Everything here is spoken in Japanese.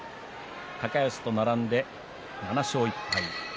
高安と並んで７勝１敗です。